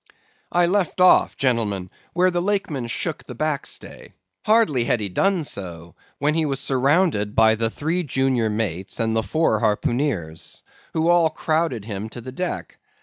"I left off, gentlemen, where the Lakeman shook the backstay. Hardly had he done so, when he was surrounded by the three junior mates and the four harpooneers, who all crowded him to the deck.